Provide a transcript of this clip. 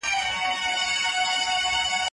زه به سبا بوټونه پاک کړم.